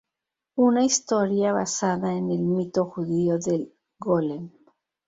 Una historia basada en el mito judío del golem.